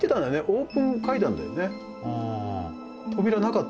オープン階段だよね